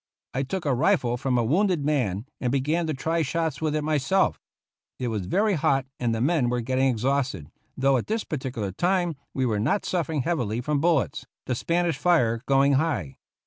I took a rifle from a wounded man and began to try shots with it myself It was very hot and the men were getting exhausted, though at this particular time we were not suffering heavily from bullets, the Spanish fire going high.